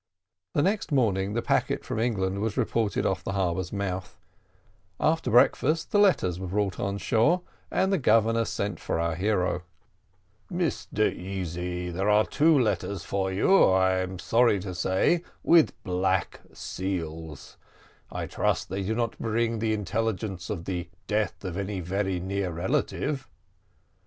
The next morning the packet from England was reported off the harbour's mouth. After breakfast the letters were brought on shore, and the Governor sent for our hero. "Mr Easy, here are two letters for you, I am sorry to say with black seals. I trust that they do not bring the intelligence of the death of any very near relative."